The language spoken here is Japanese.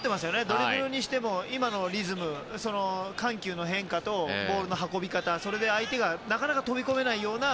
ドリブルにしても、今のリズム緩急の変化と、ボールの運び方それで相手がなかなか飛び込めないような